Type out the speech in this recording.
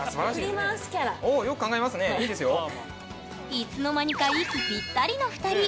いつの間にか息ぴったりの２人。